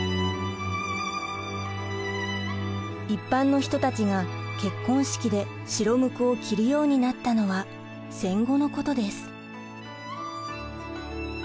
一般の人たちが結婚式で白むくを着るようになったのは戦後のことです。